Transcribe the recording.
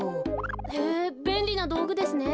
へえべんりなどうぐですね。